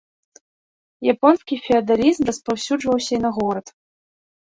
Японскі феадалізм распаўсюджваўся і на горад.